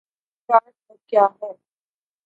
dark web کیا ہے